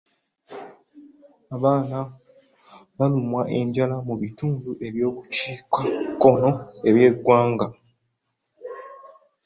Abaana balumwa enjala mu bitundu by'obukiikakkono by'eggwanga.